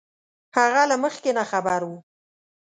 هغه له مخکې نه خبر وو